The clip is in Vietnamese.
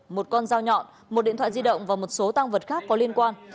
một con dao nhọn một điện thoại di động và một số tăng vật khác có liên quan